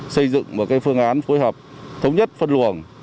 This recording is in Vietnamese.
xây dựng một phương án phối hợp thống nhất phân luồng